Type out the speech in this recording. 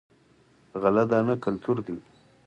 غله دانه کلتور دی.